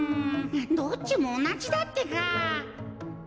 どっちもおなじだってか。